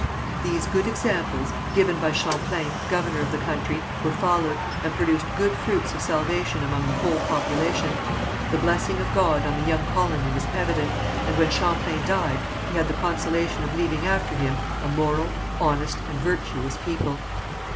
These good examples, given by Champlain, governor of the country, were followed, and produced good fruits of salvation among the whole population. The blessing of God on the young colony was evident, and when Champlain died, he had the consolation of leaving after him a moral, honest and virtuous people.